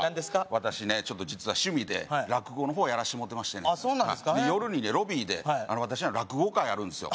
私ねちょっと実は趣味で落語の方やらしてもろてましてねそうなんですか夜にねロビーで私の落語会あるんですよ